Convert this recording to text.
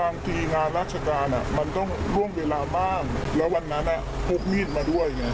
บางทีงานราชการมันต้องล่วงเวลาบ้างแล้ววันนั้นพกมีดมาด้วยไง